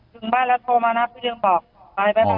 ถึงบ้านแล้วโทรมานะพี่เรียงบอก